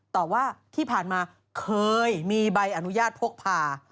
ต่อว่าที่ผ่านมาเคยมีใบอนุญาตพกพา